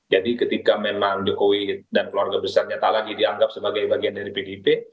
jadi ketika memang jokowi dan keluarga besar nyata lagi dianggap sebagai bagian dari pdib